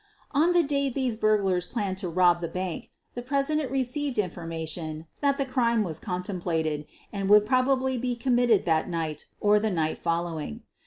On the day these burglars planned to rob the bank, the president received information that the crime was contemplated and would probably be com mitted that night or the night following.